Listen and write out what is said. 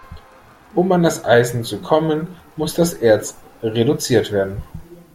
Um an das Eisen zu kommen, muss das Erz reduziert werden.